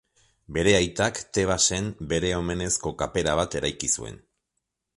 Bere aitak, Tebasen bere omenezko kapera bat eraiki zuen.